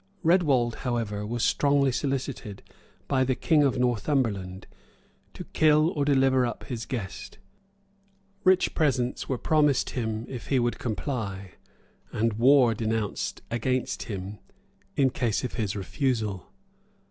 Redwald, however, was strongly solicited, by the king of Northumberland, to kill or deliver up his guest: rich presents were promised him if he would comply, and war denounced against him in case of his refusal.